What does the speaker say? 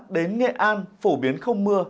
đến nghệ an phổ biến không mưa